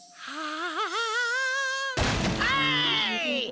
はい！